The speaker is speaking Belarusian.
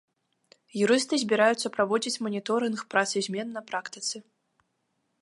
Юрысты збіраюцца праводзіць маніторынг працы змен на практыцы.